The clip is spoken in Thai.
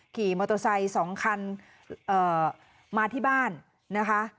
ขี่มอเตอร์ไซค์๒คันมาที่บ้านนะคะ